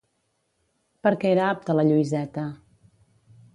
Per què era apte la Lluïseta?